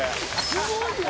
すごいよ。